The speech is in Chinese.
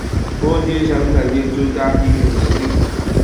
胡晋臣肯定朱熹批评林栗。